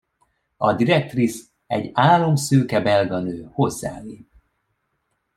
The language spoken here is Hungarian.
A direktrisz, egy álomszőke belga nő hozzálép.